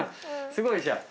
すごいじゃん！